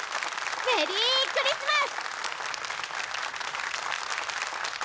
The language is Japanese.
メリークリスマス！